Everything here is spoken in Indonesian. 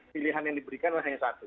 pilihan yang diberikan adalah hanya satu